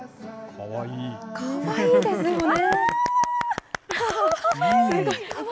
かわいいですよね。